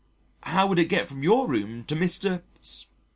"How would it get from your room to Mr. 's?"